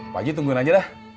pak haji tungguin aja dah